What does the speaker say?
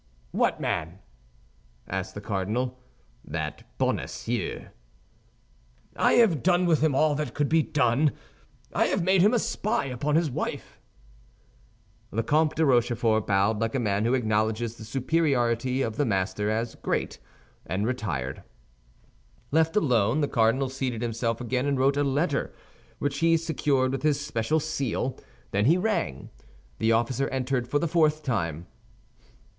"What man?" asked the cardinal. "That Bonacieux." "I have done with him all that could be done. I have made him a spy upon his wife." The Comte de Rochefort bowed like a man who acknowledges the superiority of the master as great, and retired. Left alone, the cardinal seated himself again and wrote a letter, which he secured with his special seal. Then he rang. The officer entered for the fourth time.